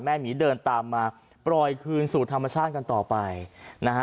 หมีเดินตามมาปล่อยคืนสู่ธรรมชาติกันต่อไปนะฮะ